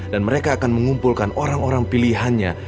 dan mereka akan mengumpulkan orang orang pilihannya